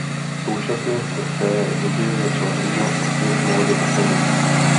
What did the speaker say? Současně se v té době začala zajímat o svět módy a filmu.